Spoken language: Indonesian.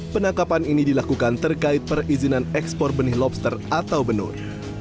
penangkapan ini dilakukan terkait perizinan ekspor benih lobster atau benur